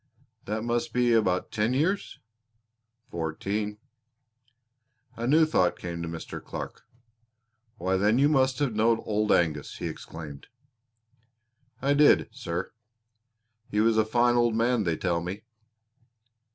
"That must be about ten years!" "Fourteen." A new thought came to Mr. Clark. "Why, then you must have known Old Angus," he exclaimed. "I did, sir." "He was a fine old man, they tell me."